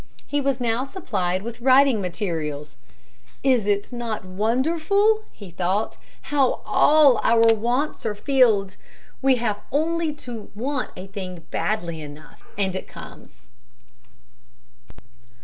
He was now supplied with writing materials. "Is it not wonderful," he thought, "how all our wants are filled? We have only to want a thing badly enough and it comes."